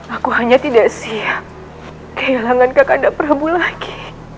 aku hanya tidak siap kehilangan kakak andaprabu lagi